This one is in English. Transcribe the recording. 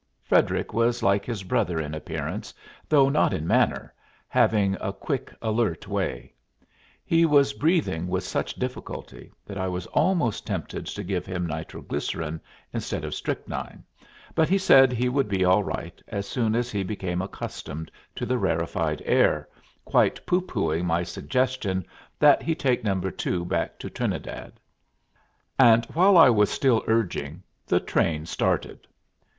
Frederic was like his brother in appearance, though not in manner, having a quick, alert way. He was breathing with such difficulty that I was almost tempted to give him nitroglycerin, instead of strychnine, but he said he would be all right as soon as he became accustomed to the rarefied air, quite pooh poohing my suggestion that he take No. 2 back to Trinidad; and while I was still urging, the train started.